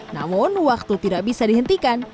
namun waktu tidak bisa dihentikan